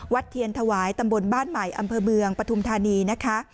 เทียนถวายตำบลบ้านใหม่อำเภอเมืองปฐุมธานีนะคะ